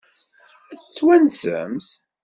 Ad t-twansemt?